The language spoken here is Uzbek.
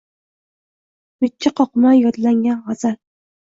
Mijja qoqmay yodlangan gʼazal